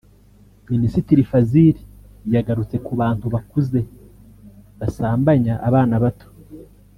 Minisitiri Fazili yagarutse ku bantu bakuze basambanya abana bato